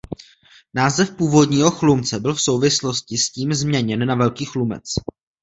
Název původního Chlumce byl v souvislosti s tím změněn na Velký Chlumec.